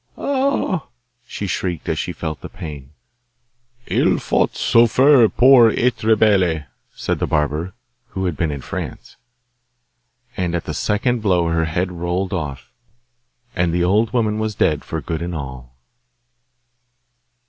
'Ah!' she shrieked as she felt the pain. 'Il faut souffrir pour etre belle,' said the barber, who had been in France. And at the second blow her head rolled off, and the old woman was dead for good and all.